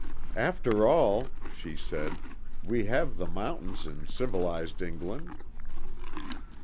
"After all," she said, "we have the mountains in civilised England."